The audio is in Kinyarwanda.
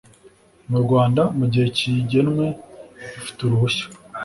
Mu rwanda mu gihe kigenwe ufite uruhushya